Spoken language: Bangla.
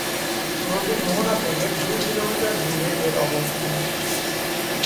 নদীর মোহনা থেকে দুই কিলোমিটার দূরে এর অবস্থান।